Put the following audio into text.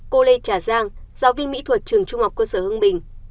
cô lê trà giang giáo viên mỹ thuật trường trung học quân sở hưng bình